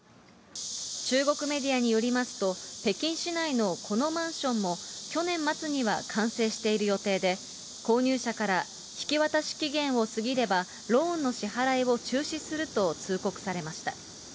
中国メディアによりますと、北京市内のこのマンションも、去年末には完成している予定で、購入者から、引き渡し期限を過ぎれば、ローンの支払いを中止すると通告されました。